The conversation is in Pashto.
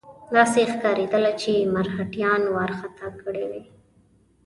داسې ښکارېدله چې مرهټیان وارخطا کړي وي.